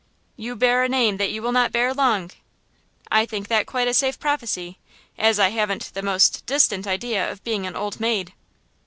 "You bear a name that you will not bear long!" "I think that quite a safe prophecy, as I haven't the most distant idea of being an old maid!"